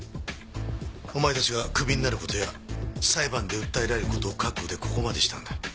お前たちがクビになる事や裁判で訴えられる事を覚悟でここまでしたんだ。